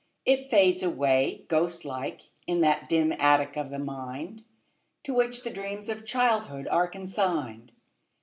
It fades away, Ghost like, in that dim attic of the mind To which the dreams of childhood are consigned.